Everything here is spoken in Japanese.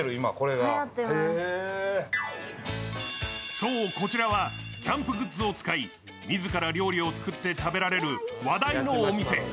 そう、こちらはキャンプグッズを使い自ら料理を作って食べられる話題のお店。